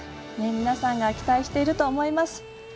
皆さんが期待していると思います。